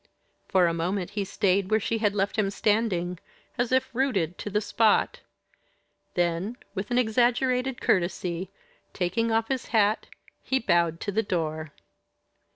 For a moment he stayed where she had left him standing, as if rooted to the spot. Then, with an exaggerated courtesy, taking off his hat, he bowed to the door.